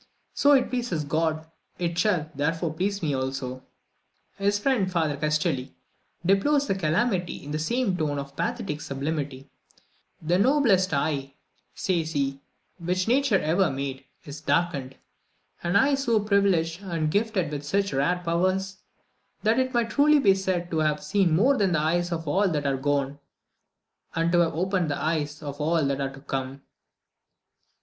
So it pleases God; it shall, therefore, please me also." His friend, Father Castelli, deplores the calamity in the same tone of pathetic sublimity: "The noblest eye," says he, "which nature ever made, is darkened; an eye so privileged, and gifted with such rare powers, that it may truly be said to have seen more than the eyes of all that are gone, and to have opened the eyes of all that are to come."